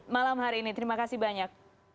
malam hari ini terima kasih banyak